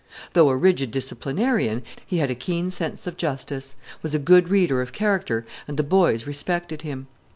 Though a rigid disciplinarian, he had a keen sense of justice, was a good reader of character, and the boys respected him.